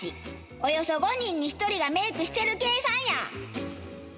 およそ５人に１人がメイクしてる計算や。